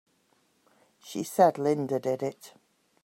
She said Linda did it!